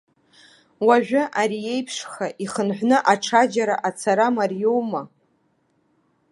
Уажәы ари еиԥшха, ихынҳәны аҽаџьара ацара мариоума?!